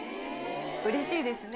うれしいですね。